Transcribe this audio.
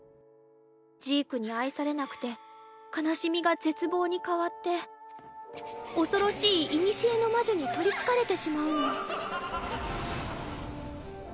ジークに愛されなくて悲しみが絶望に変わって恐ろしい古の魔女に取り憑かれてしまうの。